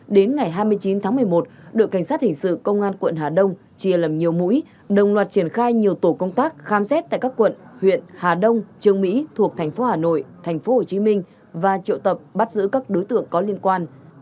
đến ngày hai mươi chín tháng một mươi một đội cảnh sát hình sự công an quận hà đông chia lầm nhiều mũi đồng loạt triển khai nhiều tổ công tác khám xét tại các quận huyện hà đông trường mỹ thuộc thành phố hà nội thành phố hồ chí minh và triệu tập bắt giữ các đối tượng có liên quan